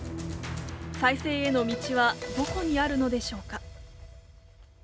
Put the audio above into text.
再生への道はどこにあるのでしょうか。